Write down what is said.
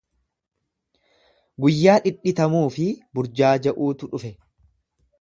Guyyaa dhidhitamuu fi burjaaja'uutu dhufe.